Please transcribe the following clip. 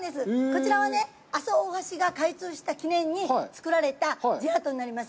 こちらはね、阿蘇大橋が開通した記念に作られたジェラートになります。